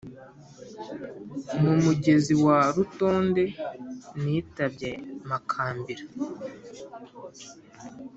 mu mugezi wa rutonde nitabye makambira